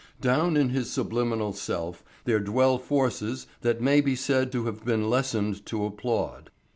Down in his subliminal self there dwell forces that may be said to have been lessoned to applaud.